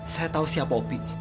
saya tahu siapa opi